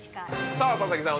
さぁ佐々木さん